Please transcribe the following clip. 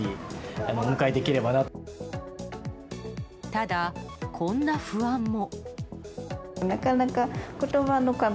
ただ、こんな不安も。